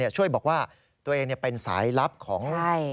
ช่วยบอกว่าตัวเองเป็นสายลับของ